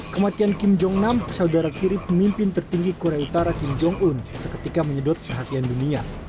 kematian kim jong nam saudara kiri pemimpin tertinggi korea utara kim jong un seketika menyedot perhatian dunia